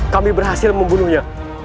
kami berhasil membunuhnya